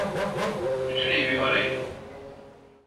Bütün evi arayın!